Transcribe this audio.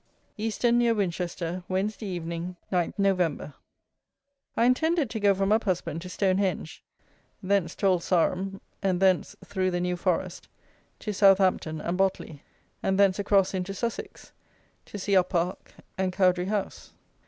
Easton, near Winchester, Wednesday Evening, 9th Nov. I intended to go from Uphusband to Stonehenge, thence to Old Sarum, and thence through the New Forest, to Southampton and Botley, and thence across into Sussex, to see Up Park and Cowdry House.